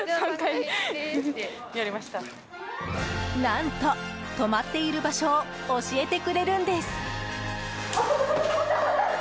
何と止まっている場所を教えてくれるんです。